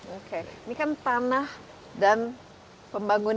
oke ini kan tanah dan pembangunan